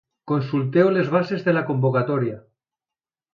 Consulteu les bases de la convocatòria.